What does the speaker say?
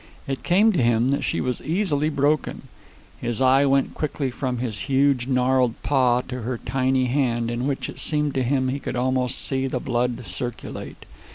It came to him that she was easily broken. His eye went quickly from his huge, gnarled paw to her tiny hand in which it seemed to him he could almost see the blood circulate.